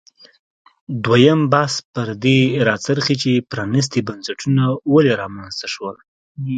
دویم بحث پر دې راڅرخي چې پرانیستي بنسټونه ولې رامنځته شول.